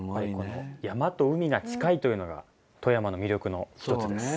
山と海が近いというのが富山の魅力の一つです。